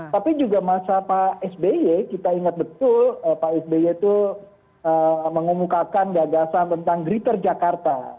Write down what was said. tapi juga masa pak sby kita ingat betul pak sby itu mengumumkakan gagasan tentang griter jakarta